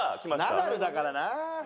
ナダルだからな。